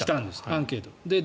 アンケートで。